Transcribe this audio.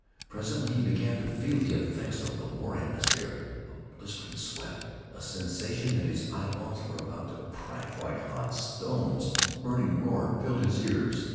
Presently he began to feel the effects of the war atmosphere a blistering sweat, a sensation that his eyeballs were about to crack like hot stones. A burning roar filled his ears.